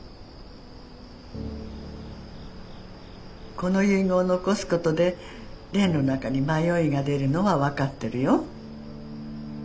「この遺言を残すことで蓮のなかに迷いがでるのはわかってるよ。